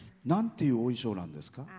何ていうお衣装なんですか？